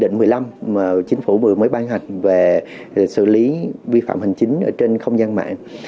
ví dụ như là nghị định một mươi năm mà chính phủ vừa mới ban hành về xử lý vi phạm hành chính trên không gian mạng